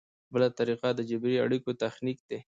بله طریقه د جبري اړیکو تخنیک دی.